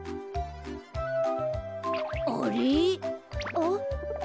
あっ。